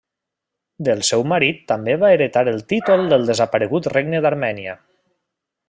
Del seu marit també va heretar el títol del desaparegut Regne d'Armènia.